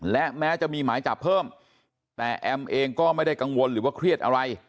และแม้จะมีหมายจับเพิ่มแต่แอมเองก็ไม่ได้กังวลหรือว่าเครียดอะไร